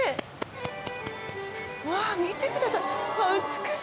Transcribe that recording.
わあ見てください。